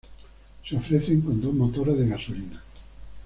Se ofrece con dos motores de gasolina.